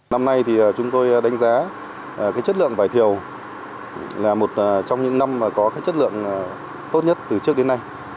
năm nay thì chúng tôi đánh giá chất lượng vải thiều là một trong những năm có chất lượng tốt nhất từ trước đến nay